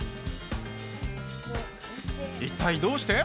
一体どうして？